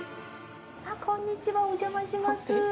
こんにちはお邪魔します。